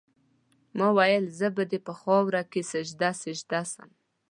ما ویل زه به دي په خاوره کي سجده سجده سم